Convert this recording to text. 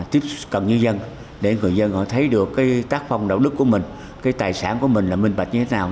tiếp cận với dân để người dân họ thấy được cái tác phong đạo đức của mình cái tài sản của mình là minh bạch như thế nào